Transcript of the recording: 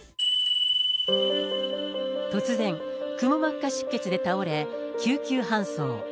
突然、くも膜下出血で倒れ、救急搬送。